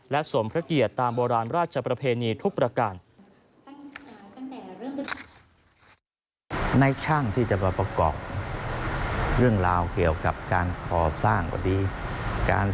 และสมพระเกียรติตามโบราณราชประเพณีทุกประการ